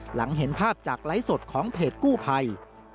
หลังเห็นภาพจากไลฟ์สดของเพจกู้ภัย